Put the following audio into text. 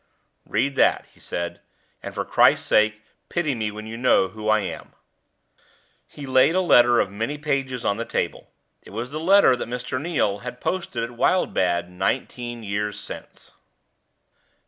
"Read that," he said; "and, for Christ's sake, pity me when you know who I am." He laid a letter of many pages on the table. It was the letter that Mr. Neal had posted at Wildbad nineteen years since.